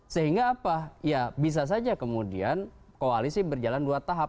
sehingga apa ya bisa saja kemudian koalisi berjalan dua tahap